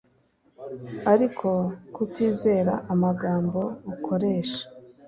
ariko kutizera amagambo ukoresha